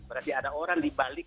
berarti ada orang